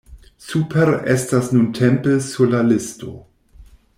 Super estas nuntempe sur la listo.